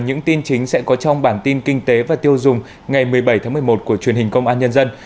những tin chính sẽ có trong bản tin kinh tế và tiêu dùng ngày một mươi bảy tháng một mươi một của truyền hình công an nhân dân